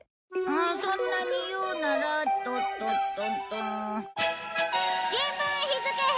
そんなに言うならっとっと。